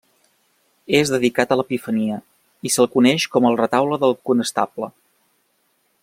És dedicat a l'Epifania i se'l coneix com el Retaule del Conestable.